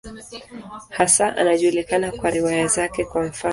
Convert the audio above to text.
Hasa anajulikana kwa riwaya zake, kwa mfano.